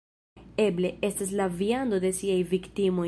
Eble, estas la viando de siaj viktimoj